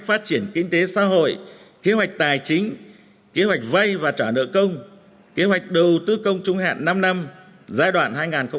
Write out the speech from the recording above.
phát triển kinh tế xã hội kế hoạch tài chính kế hoạch vay và trả nợ công kế hoạch đầu tư công trung hạn năm năm giai đoạn hai nghìn hai mươi một hai nghìn hai mươi